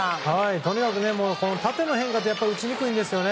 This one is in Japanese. とにかく縦の変化って打ちにくいんですよね。